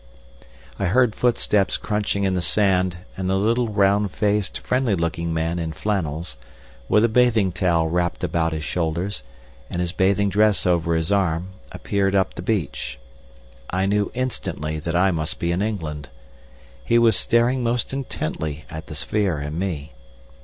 I heard footsteps crunching in the sand, and a little round faced, friendly looking man in flannels, with a bathing towel wrapped about his shoulders, and his bathing dress over his arm, appeared up the beach. I knew instantly that I must be in England. He was staring most intently at the sphere and me.